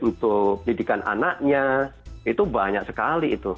untuk pendidikan anaknya itu banyak sekali itu